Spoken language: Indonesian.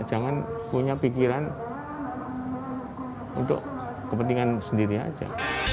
jangan punya pikiran untuk kepentingan sendiri aja